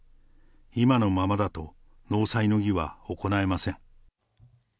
今のままだと納采の儀は行えません。